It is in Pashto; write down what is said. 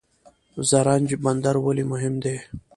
زرنج بندر ولې مهم دی؟